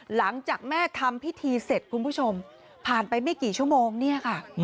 หลังจากแม่ทำพิธีเสร็จคุณผู้ชมผ่านไปไม่กี่ชั่วโมงเนี่ยค่ะ